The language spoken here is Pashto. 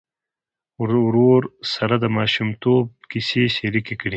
ورور سره د ماشومتوب کیسې شريکې وې.